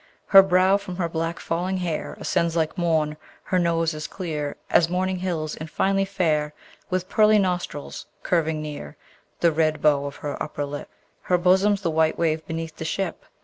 Her brow from her black falling hair Ascends like morn: her nose is clear As morning hills, and finely fair With pearly nostrils curving near The red bow of her upper lip; Her bosom's the white wave beneath the ship.